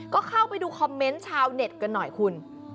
ก็เข้าไปดูคอมเมนต์ชาวเน็ตกันหน่อยคุณ